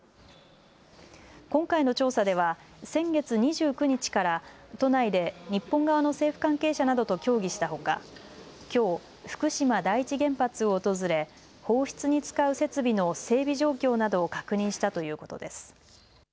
今回の調査では先月２９日から都内で日本側の政府関係者などと協議したほかきょう福島第一原発を訪れ放出に使う設備の整備状況などを確認したということです。